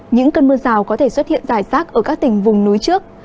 những cơn mưa rào có thể xuất hiện dài rác ở các tỉnh vùng núi trước